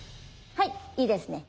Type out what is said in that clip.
はいいいですね。